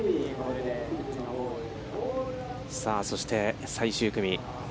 さあそして、最終組。